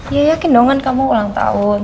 ya yakin dong kan kamu ulang tahun